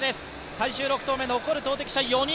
最終６投目、残る投てき者４人。